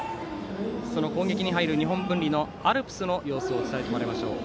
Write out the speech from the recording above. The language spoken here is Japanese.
その攻撃に入る日本文理のアルプスの様子を伝えてもらいましょう。